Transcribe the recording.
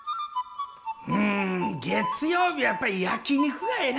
うーん、月曜日はやっぱり焼き肉がええな。